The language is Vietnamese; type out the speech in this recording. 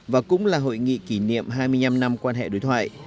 và cũng là hội nghị kỷ niệm hai mươi năm năm quan hệ đối thoại